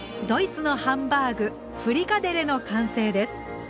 ドイツのハンバーグフリカデレの完成です。